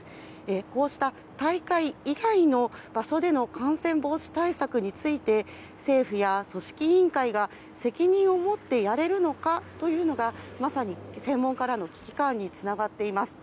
こうした、大会以外の場所での感染防止対策について政府や組織委員会が責任を持ってやれるのかというのがまさに、専門家らの危機感につながっています。